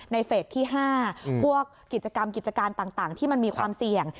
เฟสที่๕พวกกิจกรรมกิจการต่างที่มันมีความเสี่ยง